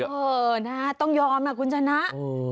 เออนะต้องยอมนะคุณฉะนั้น